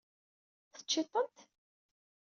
Teččiḍ-tent?